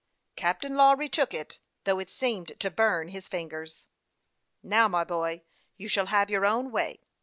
Captain Lawry took it, though it seemed to burp his fingers. " Now, my boy, you shall have your own way.